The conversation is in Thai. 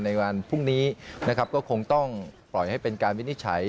ในวันพรุ่งนี้นะครับก็คงต้องปล่อยให้เป็นการวินิจฉัย